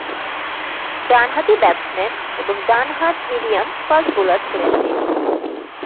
ডানহাতি ব্যাটসম্যান এবং ডান হাত মিডিয়াম ফাস্ট বোলার ছিলেন তিনি।